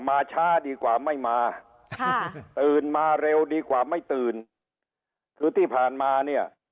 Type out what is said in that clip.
มาช้าดีกว่าไม่มาตื่นมาเร็วดีกว่าไม่ตื่นคือที่ผ่านมาเนี่ย